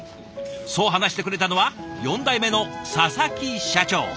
そう話してくれたのは４代目の佐々木社長。